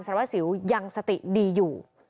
วัสสิวยังสติดีอยู่